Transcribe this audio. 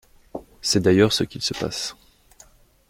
C’est d’ailleurs ce qui se passe.